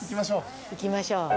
行きましょう。